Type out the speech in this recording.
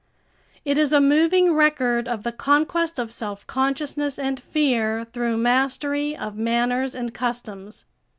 It is a moving record of the conquest of self consciousness and fear through mastery of manners and customs.